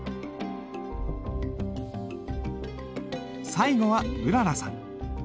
最後はうららさん。